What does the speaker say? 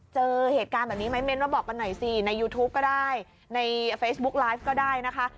เจอเหตุการณ์แบบนี้ไหมเน้นมาบอกกันหน่อยสิในยูทูปก็ได้ในเฟซบุ๊กไลฟ์ก็ได้นะคะ